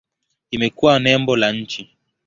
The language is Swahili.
Imekuwa nembo la nchi.